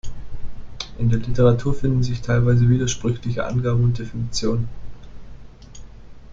In der Literatur finden sich teilweise widersprüchliche Angaben und Definitionen.